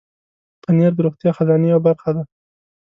پنېر د روغتیا خزانې برخه ده.